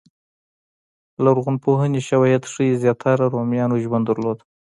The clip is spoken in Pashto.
لرغونپوهنې شواهد ښيي زیاتره رومیانو ژوند درلود